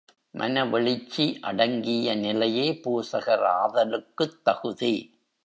மனவெழுச்சி அடங்கிய நிலையே பூசகர் ஆதலுக்குத் தகுதி.